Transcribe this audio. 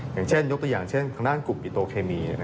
อย่างเช่นยกตัดอย่างกลุ่มอิโตเคมี